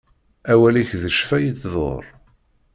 Awal-ik d ccfa yettḍur.